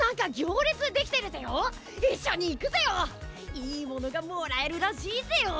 いいものがもらえるらしいぜよ！